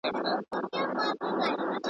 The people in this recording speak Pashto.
¬ چي پر موږ ئې وار راغی، بيا ئې پلار راغی.